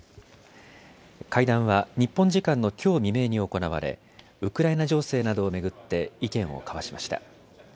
会談は日本時間のきょう未明に行われ、ウクライナ情勢などを巡って意見を交わしました。